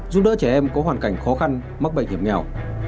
giúp đỡ trẻ em có hoàn cảnh khó khăn mắc bệnh hiểm nghèo